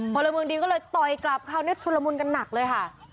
พลเมืองดีก็เลยต่อยกลับคราวนี้ชุลมุนกันหนักเลยค่ะ